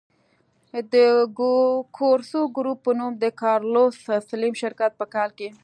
د کورسو ګروپ په نوم د کارلوس سلایم شرکت په کال کې.